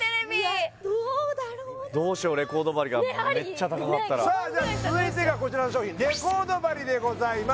いやどうだろうなどうしようレコード針がめっちゃ高かったらさあじゃあ続いてがこちらの商品レコード針でございます